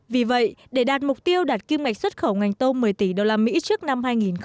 vì vậy để đạt mục tiêu đạt kim ngạch xuất khẩu ngành tôm một mươi tỷ usd trước năm hai nghìn hai mươi